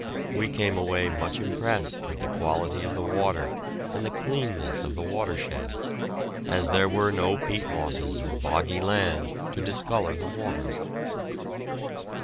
We came away much impressed with the quality of the water and the cleanness of the watershed, as there were no peat mosses or boggy lands to discolour the water.